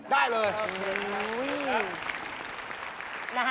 ได้เลย